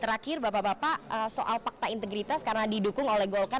terakhir bapak bapak soal fakta integritas karena didukung oleh golkar